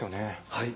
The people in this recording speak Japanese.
はい。